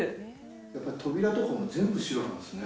やっぱり扉とかも全部白なんですね。